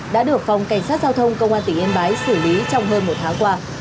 đã được phòng cảnh sát giao thông công an tỉnh yên bái xử lý trong hơn một tháng qua